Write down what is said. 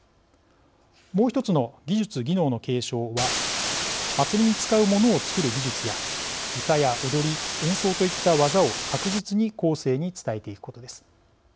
もう１つの、技術・技能の継承は祭りに使うものを作る技術や謡や踊り、演奏といった技を確実に後世に伝えていくことです。